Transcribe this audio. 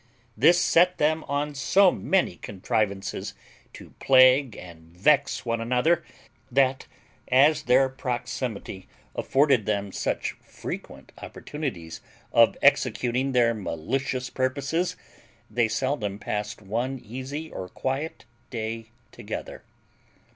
This set them on so many contrivances to plague and vex one another, that, as their proximity afforded them such frequent opportunities of executing their malicious purposes, they seldom passed one easy or quiet day together.